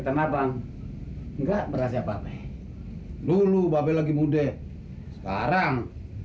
tanah bang enggak beras qutub dulu bapak lagi dust sekarang